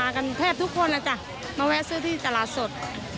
มากันแทบทุกคนมาแว่ซื้อที่จราสด